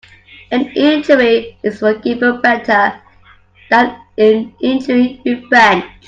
An injury is forgiven better than an injury revenged.